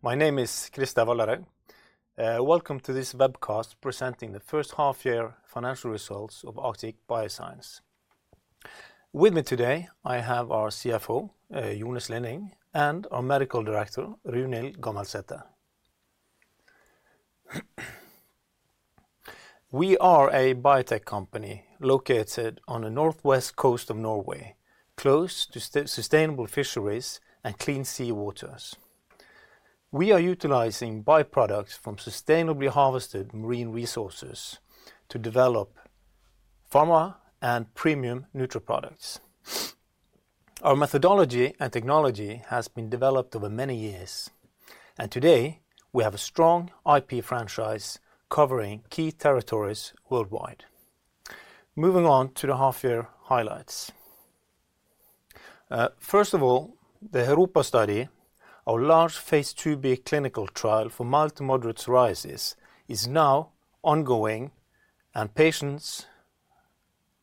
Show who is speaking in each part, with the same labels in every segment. Speaker 1: Hi, my name is Christer Valderhaug. Welcome to this webcast presenting the first half year financial results of Arctic Bioscience. With me today, I have our CFO, Jone R. Slinning, and our Medical Director, Runhild Gammelsæter. We are a biotech company located on the northwest coast of Norway, close to sustainable fisheries and clean sea waters. We are utilizing byproducts from sustainably harvested marine resources to develop pharma and premium nutra products. Our methodology and technology has been developed over many years, and today we have a strong IP franchise covering key territories worldwide. Moving on to the half year highlights. First of all, the HeROPA study, our large Phase IIb clinical trial for mild-to-moderate psoriasis, is now ongoing, and patients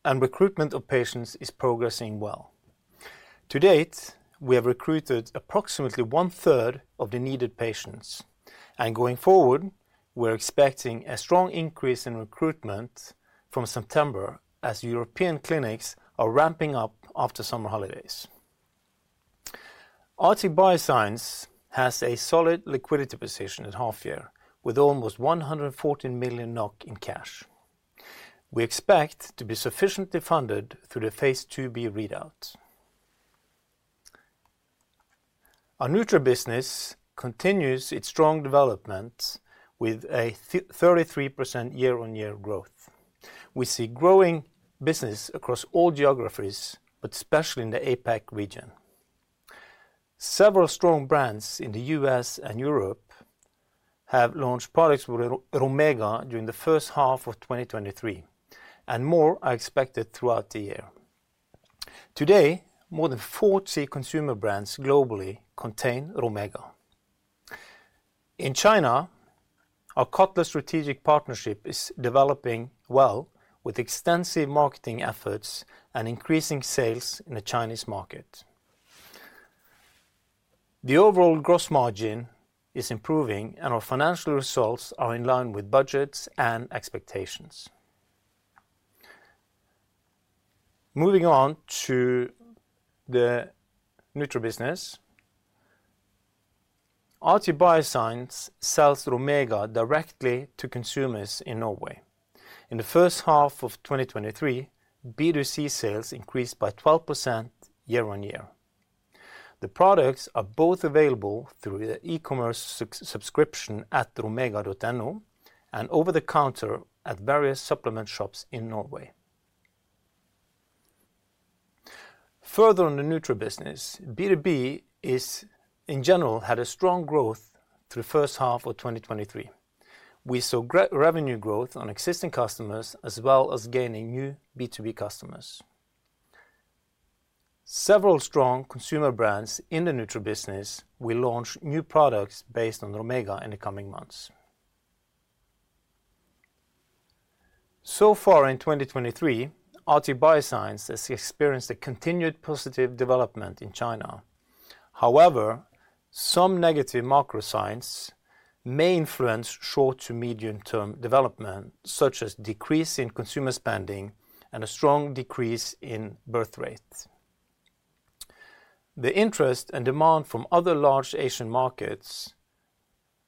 Speaker 1: and recruitment of patients is progressing well. To date, we have recruited approximately one third of the needed patients, and going forward, we're expecting a strong increase in recruitment from September as European clinics are ramping up after summer holidays. Arctic Bioscience has a solid liquidity position at half year, with almost 114 million NOK in cash. We expect to be sufficiently funded through the Phase IIb readout. Our nutra business continues its strong development with a thirty-three percent year-on-year growth. We see growing business across all geographies, but especially in the APAC region. Several strong brands in the U.S. and Europe have launched products with Romega during the first half of 2023, and more are expected throughout the year. Today, more than 40 consumer brands globally contain Romega. In China, our Kotler strategic partnership is developing well, with extensive marketing efforts and increasing sales in the Chinese market. The overall gross margin is improving, and our financial results are in line with budgets and expectations. Moving on to the nutra business. Arctic Bioscience sells Romega directly to consumers in Norway. In the first half of 2023, B2C sales increased by 12% year-on-year. The products are both available through the e-commerce subscription at romega.no, and over the counter at various supplement shops in Norway. Further on the nutra business, B2B, in general, had a strong growth through the first half of 2023. We saw revenue growth on existing customers, as well as gaining new B2B customers. Several strong consumer brands in the nutra business will launch new products based on Romega in the coming months. So far in 2023, Arctic Bioscience has experienced a continued positive development in China. However, some negative macro signs may influence short to medium term development, such as decrease in consumer spending and a strong decrease in birth rates. The interest and demand from other large Asian markets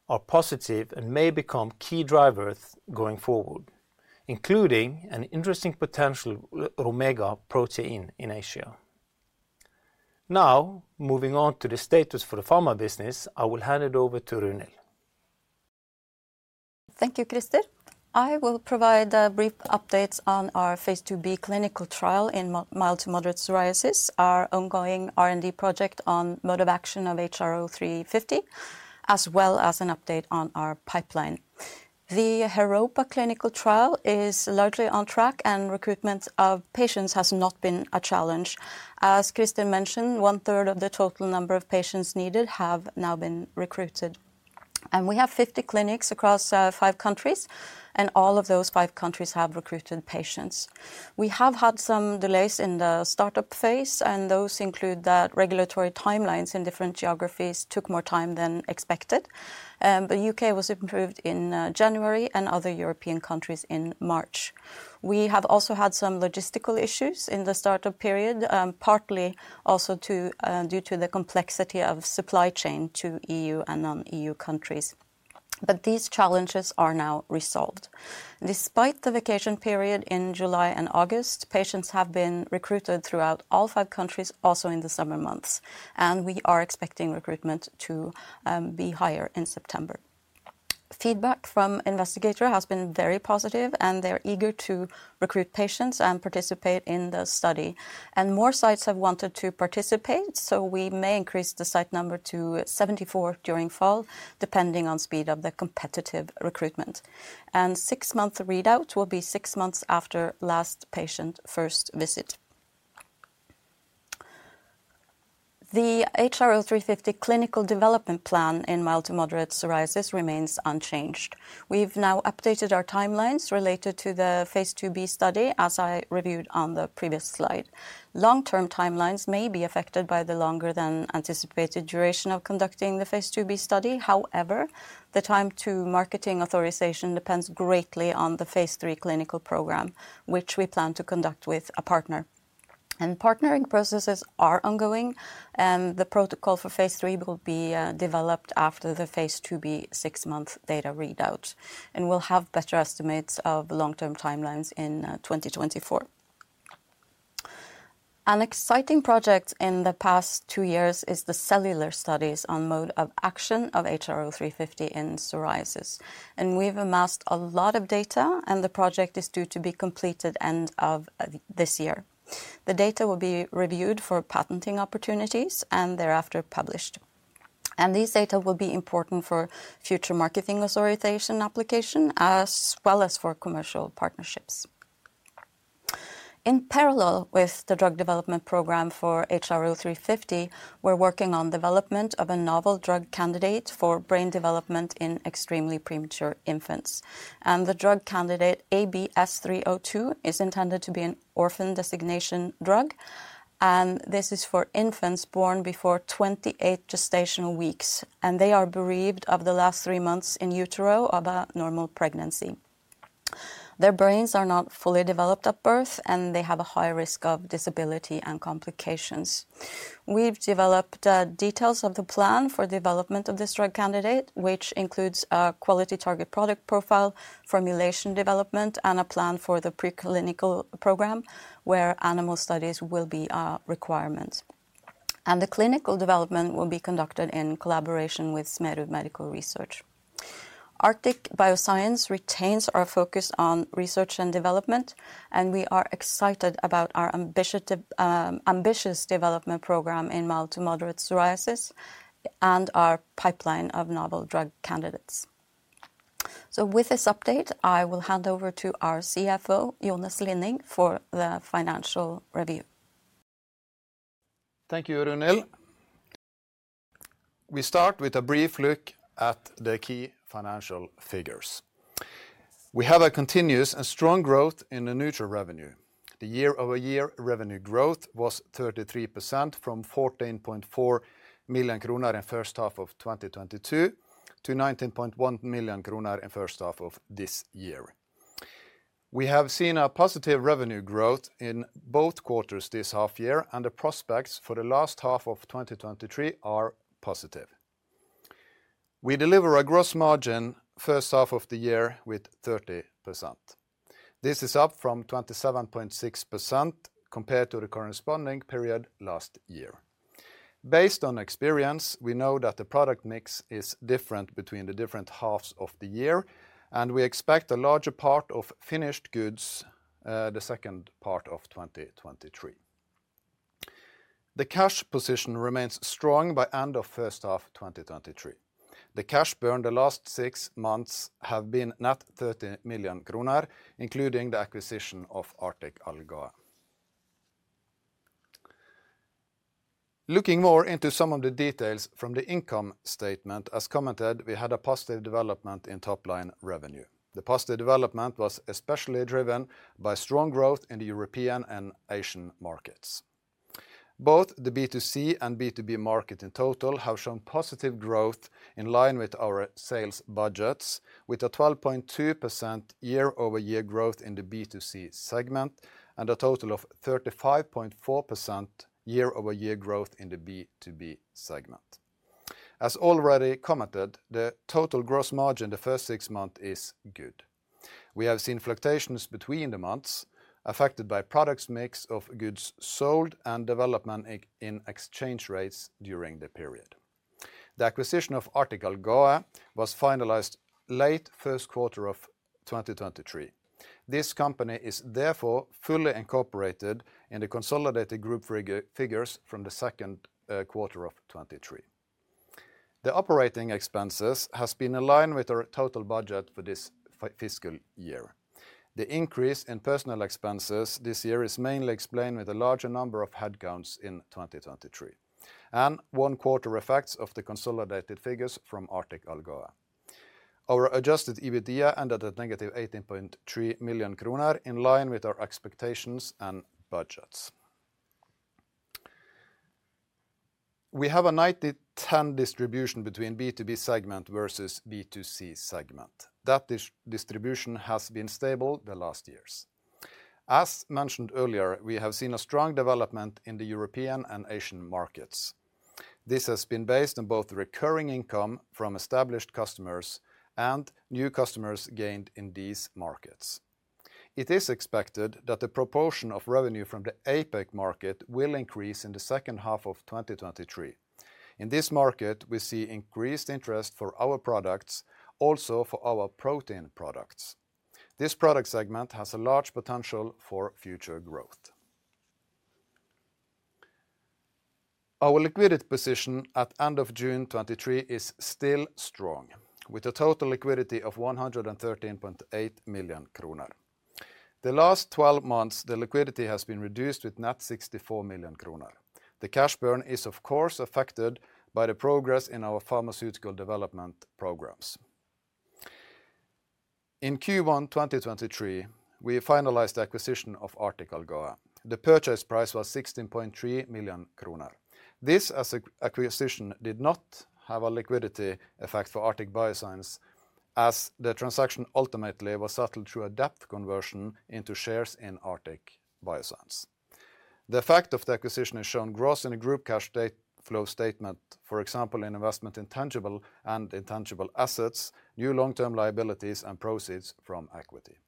Speaker 1: are positive and may become key drivers going forward, including an interesting potential ROMEGA protein in Asia. Now, moving on to the status for the pharma business, I will hand it over to Runhild.
Speaker 2: Thank you, Christer. I will provide a brief update on our Phase IIb clinical trial in mild to moderate psoriasis, our ongoing R&D project on mode of action of HRO350, as well as an update on our pipeline. The HeROPA clinical trial is largely on track, and recruitment of patients has not been a challenge. As Christer mentioned, one third of the total number of patients needed have now been recruited, and we have 50 clinics across five countries, and all of those five countries have recruited patients. We have had some delays in the start-up phase, and those include that regulatory timelines in different geographies took more time than expected. The U.K. was approved in January and other European countries in March. We have also had some logistical issues in the startup period, partly also to... Due to the complexity of supply chain to EU and non-EU countries, but these challenges are now resolved. Despite the vacation period in July and August, patients have been recruited throughout all five countries, also in the summer months, and we are expecting recruitment to be higher in September. Feedback from investigator has been very positive, and they're eager to recruit patients and participate in the study. More sites have wanted to participate, so we may increase the site number to 74 during fall, depending on speed of the competitive recruitment. Six-month readout will be six months after last patient first visit. The HRO350 clinical development plan in mild-to-moderate psoriasis remains unchanged. We've now updated our timelines related to the phase IIb study, as I reviewed on the previous slide. Long-term timelines may be affected by the longer than anticipated duration of conducting the phase IIb study. However, the time to marketing authorization depends greatly on the phase III clinical program, which we plan to conduct with a partner. Partnering processes are ongoing, and the protocol for phase III will be developed after the phase IIb six-month data readout, and we'll have better estimates of long-term timelines in 2024. An exciting project in the past two years is the cellular studies on mode of action of HRO350 in psoriasis, and we've amassed a lot of data, and the project is due to be completed end of this year. The data will be reviewed for patenting opportunities and thereafter published, and these data will be important for future marketing authorization application, as well as for commercial partnerships. In parallel with the drug development program for HRO350, we're working on development of a novel drug candidate for brain development in extremely premature infants. The drug candidate, ABS302, is intended to be an orphan designation drug, and this is for infants born before 28 gestational weeks, and they are bereaved of the last three months in utero of a normal pregnancy. Their brains are not fully developed at birth, and they have a high risk of disability and complications. We've developed details of the plan for development of this drug candidate, which includes a quality target product profile, formulation development, and a plan for the preclinical program, where animal studies will be a requirement. The clinical development will be conducted in collaboration with Smerud Medical Research. Arctic Bioscience retains our focus on research and development, and we are excited about our ambitious development program in mild to moderate psoriasis and our pipeline of novel drug candidates. So with this update, I will hand over to our CFO, Jone R. Slinning, for the financial review.
Speaker 3: Thank you, Runhild. We start with a brief look at the key financial figures. We have a continuous and strong growth in the nutraceutical revenue. The year-over-year revenue growth was 33%, from 14.4 million kroner in first half of 2022, to 19.1 million kroner in first half of this year. We have seen a positive revenue growth in both quarters this half year, and the prospects for the last half of 2023 are positive. We deliver a gross margin first half of the year with 30%. This is up from 27.6% compared to the corresponding period last year. Based on experience, we know that the product mix is different between the different halves of the year, and we expect a larger part of finished goods, the second part of 2023. The cash position remains strong by end of first half 2023. The cash burn the last six months have been net 30 million kroner, including the acquisition of Arctic Algae. Looking more into some of the details from the income statement, as commented, we had a positive development in top line revenue. The positive development was especially driven by strong growth in the European and Asian markets. Both the B2C and B2B market in total have shown positive growth in line with our sales budgets, with a 12.2% year-over-year growth in the B2C segment, and a total of 35.4% year-over-year growth in the B2B segment. As already commented, the total gross margin the first six months is good. We have seen fluctuations between the months, affected by products mix of goods sold and development in exchange rates during the period. The acquisition of Arctic Algae was finalized late first quarter of 2023. This company is therefore fully incorporated in the consolidated group figures from the second quarter of 2023. The operating expenses has been in line with our total budget for this fiscal year. The increase in personnel expenses this year is mainly explained with a larger number of headcounts in 2023, and one quarter effects of the consolidated figures from Arctic Algae. Our adjusted EBITDA ended at -18.3 million kroner, in line with our expectations and budgets. We have a 90-10 distribution between B2B segment versus B2C segment. That distribution has been stable the last years. As mentioned earlier, we have seen a strong development in the European and Asian markets. This has been based on both the recurring income from established customers and new customers gained in these markets. It is expected that the proportion of revenue from the APAC market will increase in the second half of 2023. In this market, we see increased interest for our products, also for our protein products. This product segment has a large potential for future growth. Our liquidity position at end of June 2023 is still strong, with a total liquidity of 113.8 million kroner. The last 12 months, the liquidity has been reduced with net 64 million kroner. The cash burn is, of course, affected by the progress in our pharmaceutical development programs. In Q1 2023, we finalized the acquisition of Arctic Algae. The purchase price was 16.3 million kroner. This, as an acquisition, did not have a liquidity effect for Arctic Bioscience, as the transaction ultimately was settled through a debt conversion into shares in Arctic Bioscience. The effect of the acquisition is shown gross in a group cash state flow statement, for example, in investment in tangible and intangible assets, new long-term liabilities, and proceeds from equity.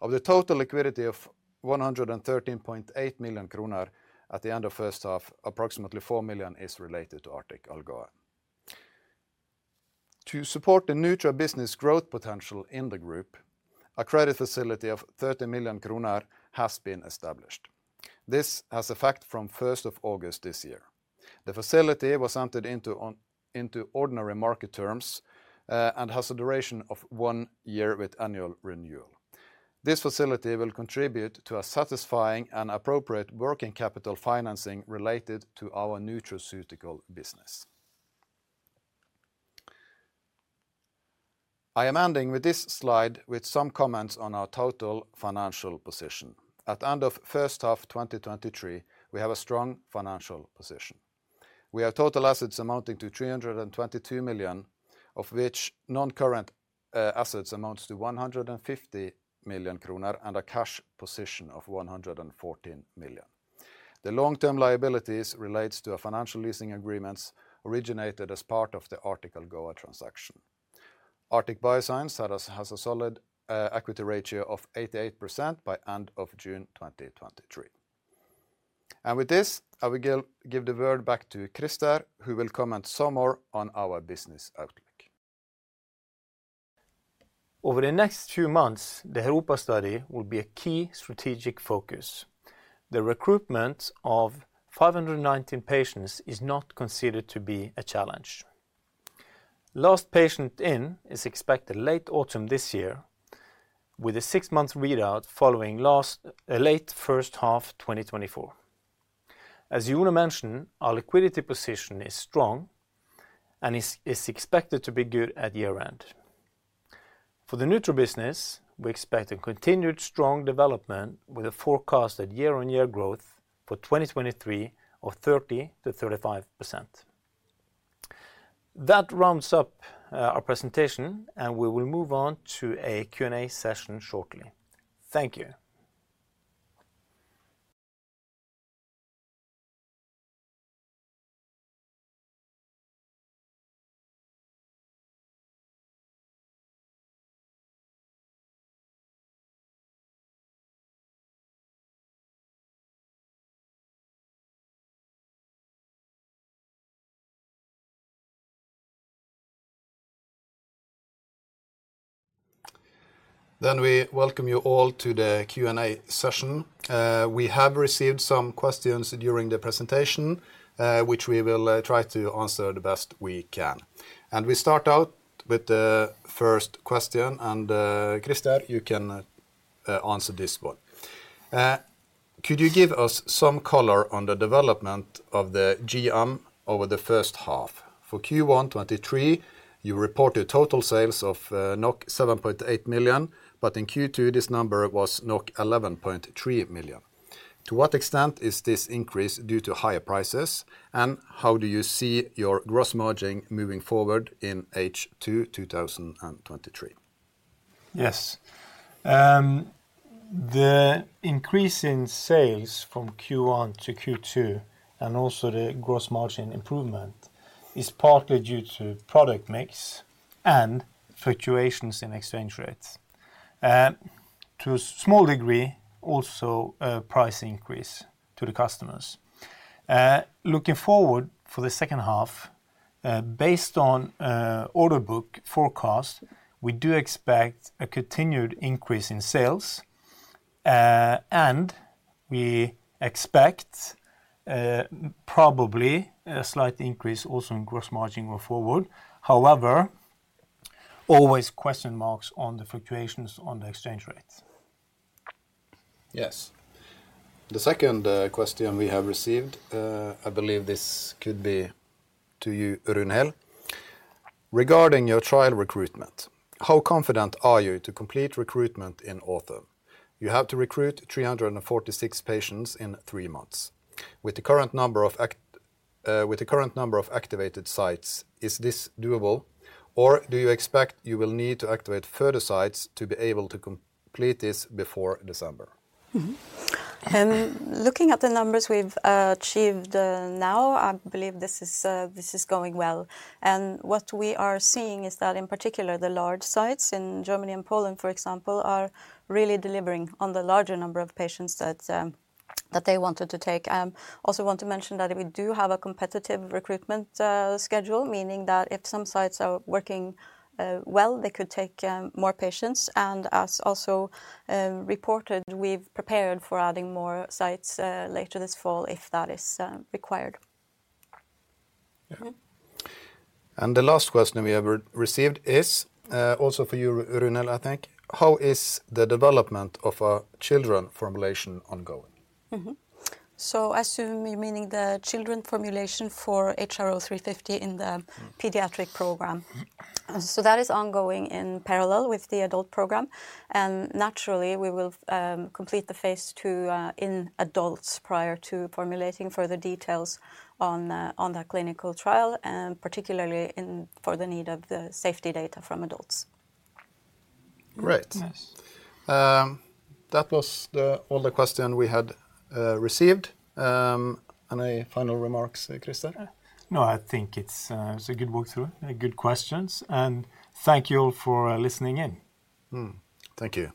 Speaker 3: Of the total liquidity of 113.8 million kroner at the end of first half, approximately 4 million is related to Arctic Algae. To support the Nutra business growth potential in the group, a credit facility of 30 million kroner has been established. This has effect from first of August this year. The facility was entered into ordinary market terms, and has a duration of one year with annual renewal. This facility will contribute to a satisfying and appropriate working capital financing related to our nutraceutical business. I am ending with this slide with some comments on our total financial position. At end of first half 2023, we have a strong financial position. We have total assets amounting to 322 million, of which non-current assets amounts to 150 million kroner and a cash position of 114 million. The long-term liabilities relates to a financial leasing agreements originated as part of the Arctic Algae transaction. Arctic Bioscience has a solid equity ratio of 88% by end of June 2023. With this, I will give the word back to Christer, who will comment some more on our business outlook.
Speaker 1: Over the next few months, the HeROPA study will be a key strategic focus. The recruitment of 519 patients is not considered to be a challenge. Last patient in is expected late autumn this year, with a six-month readout following last patient in late first half 2024. As Jone mentioned, our liquidity position is strong and is expected to be good at year-end. For the Nutra business, we expect a continued strong development with a forecasted year-on-year growth for 2023 of 30%-35%. That rounds up our presentation, and we will move on to a Q&A session shortly. Thank you.
Speaker 3: Then we welcome you all to the Q&A session. We have received some questions during the presentation, which we will try to answer the best we can. We start out with the first question, and, Christer, you can answer this one. Could you give us some color on the development of the GM over the first half? For Q1 2023, you reported total sales of 7.8 million, but in Q2, this number was 11.3 million. To what extent is this increase due to higher prices, and how do you see your gross margin moving forward in H2 2023?
Speaker 1: Yes. The increase in sales from Q1 to Q2, and also the gross margin improvement, is partly due to product mix and fluctuations in exchange rates. To a small degree, also, a price increase to the customers. Looking forward for the second half, based on, order book forecast, we do expect a continued increase in sales, and we expect, probably a slight increase also in gross margin going forward. However, always question marks on the fluctuations on the exchange rates.
Speaker 3: Yes. The second question we have received, I believe this could be to you, Runhild. Regarding your trial recruitment, how confident are you to complete recruitment in 2024? You have to recruit 346 patients in 3 months. With the current number of activated sites, is this doable, or do you expect you will need to activate further sites to be able to complete this before December?
Speaker 2: Looking at the numbers we've achieved now, I believe this is going well. And what we are seeing is that, in particular, the large sites in Germany and Poland, for example, are really delivering on the larger number of patients that they wanted to take. Also want to mention that we do have a competitive recruitment schedule, meaning that if some sites are working well, they could take more patients. And as also reported, we've prepared for adding more sites later this fall, if that is required.
Speaker 3: Yeah.
Speaker 2: Mm-hmm.
Speaker 3: The last question we have received is, also for you, Runhild, I think: How is the development of a children formulation ongoing?
Speaker 2: Mm-hmm. So I assume you're meaning the children formulation for HRO350 in the-
Speaker 3: Mm...
Speaker 2: pediatric program.
Speaker 3: Mm-hmm.
Speaker 2: So that is ongoing in parallel with the adult program, and naturally, we will complete the phase two in adults prior to formulating further details on the clinical trial, and particularly in for the need of the safety data from adults.
Speaker 3: Great.
Speaker 1: Yes.
Speaker 3: That was all the questions we had received. Any final remarks, Christer?
Speaker 1: No, I think it's a good walkthrough, good questions, and thank you all for listening in.
Speaker 3: Mm. Thank you.